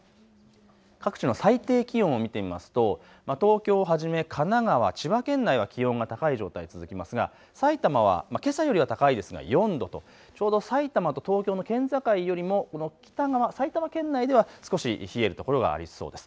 各地の最低気温を見てみますと東京をはじめ神奈川、千葉県内は気温が高い状態、続きますがさいたまはけさよりは高いですが４度と、ちょうどさいたまと東京の県境よりもこの北側、埼玉県内では少し冷えるところがありそうです。